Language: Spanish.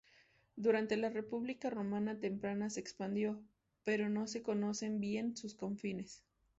Durante la República romana temprana se expandió, pero no se conocen bien sus confines.